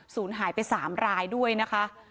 หายไป๓รายด้วยนะคะ